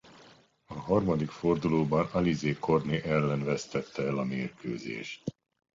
A harmadik fordulóban Alizé Cornet ellen vesztette el a mérkőzést.